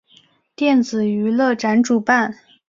电子娱乐展主办。